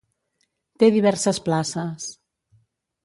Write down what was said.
Té diverses places.